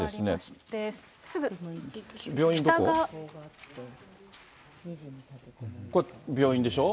すぐ右、これ病院でしょ。